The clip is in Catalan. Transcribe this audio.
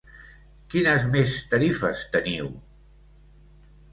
Quines més tarifes teniu?